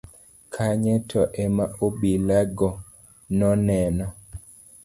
kanye to ema obila go noneno